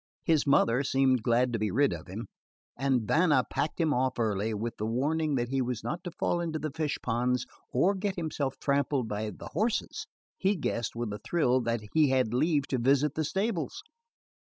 His mother seemed glad to be rid of him, and Vanna packing him off early, with the warning that he was not to fall into the fishponds or get himself trampled by the horses, he guessed, with a thrill, that he had leave to visit the stables.